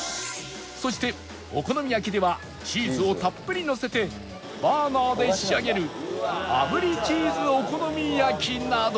そしてお好み焼きではチーズをたっぷりのせてバーナーで仕上げる炙りチーズお好み焼きなど